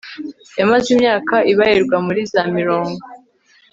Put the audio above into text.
yamaze imyaka ibarirwa muri za mirongo